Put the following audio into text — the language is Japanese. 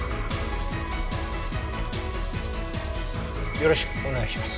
よろしくお願いします。